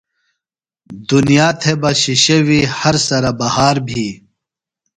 دُنیا تھےۡ بہ شِشویۡ، ہر سرہ بہار بھی